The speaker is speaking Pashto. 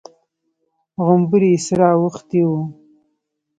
غومبري يې سره اوښتي وو.